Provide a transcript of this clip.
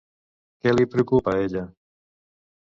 Què li preocupa a ella?